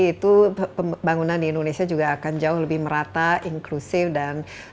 itu pembangunan di indonesia juga akan jauh lebih merata inklusif dan